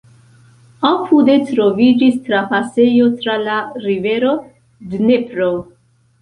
Apude troviĝis trapasejo tra la rivero Dnepro.